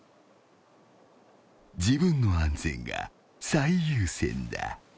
［自分の安全が最優先だ］